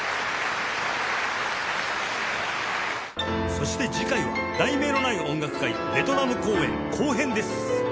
そして次回は『題名のない音楽会』ベトナム公演・後編です